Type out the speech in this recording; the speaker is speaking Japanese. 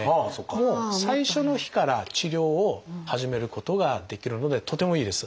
もう最初の日から治療を始めることができるのでとてもいいです。